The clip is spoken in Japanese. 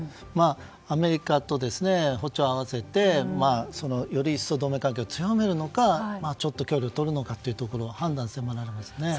アメリカと歩調を合わせてより一層同盟関係を強めるのかちょっと距離をとるのかを判断しないとだめですね。